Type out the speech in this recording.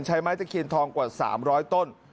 ไม้ตะเคียนทองกว่า๓๐๐ต้น